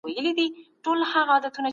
ایمي د کاري فشار له امله ستړې شوې وه.